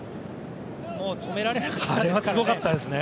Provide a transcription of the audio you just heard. もう止められなかったですね。